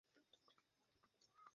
যতদ্রুত পারেন করুন, ম্যাম।